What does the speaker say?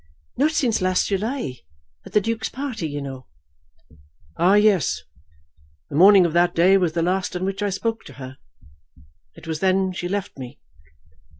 "Not since last July, at the Duke's party, you know." "Ah, yes; the morning of that day was the last on which I spoke to her. It was then she left me."